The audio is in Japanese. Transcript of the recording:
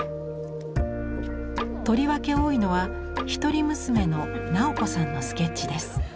とりわけ多いのは一人娘の直子さんのスケッチです。